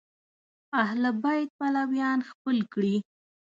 اهل بیت پلویان خپل کړي